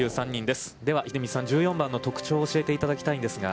では秀道さん、１４番の特徴を教えていただきたいんですが。